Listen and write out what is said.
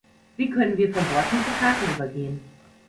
Wie können wir von Worten zu Taten übergehen?